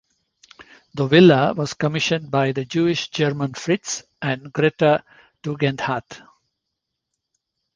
The villa was commissioned by the Jewish German Fritz and Greta Tugendhat.